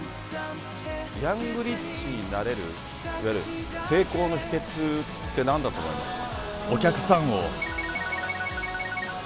ヤングリッチになれる、いわゆる成功の秘けつってなんだと思われますか？